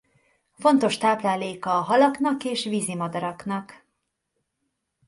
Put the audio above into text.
Fontos tápláléka a halaknak és vízimadaraknak.